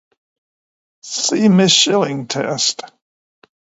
See Mischling Test.